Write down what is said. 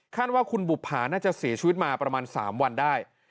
ว่าคุณบุภาน่าจะเสียชีวิตมาประมาณ๓วันได้